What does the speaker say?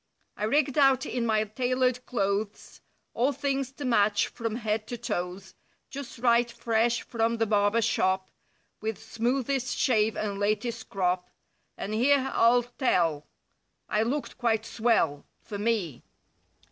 I rigged out in my tailored clothes; All things to match from head to toes; Just right fresh from the barber shop, With smoothest shave and latest crop—• And here I'll tell, I looked quite swell—■ For me.